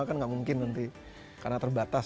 kan nggak mungkin nanti karena terbatas